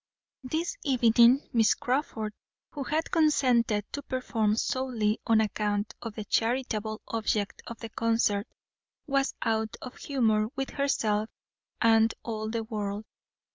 This evening, Miss Crawford, who had consented to perform solely on account of the charitable object of the concert, was out of humour with herself and all the world.